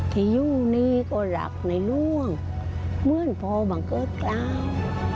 ที่อยู่นี้ก็รักในหลวงเหมือนพ่อบังเกิดเกล้า